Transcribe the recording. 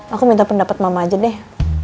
aku minta pendapat mama aja deh